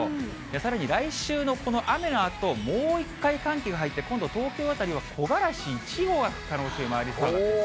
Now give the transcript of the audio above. さらに来週のこの雨のあと、もう一回、寒気が入って、今度、東京辺りは木枯らし１号が吹く可能性がありそうなんです。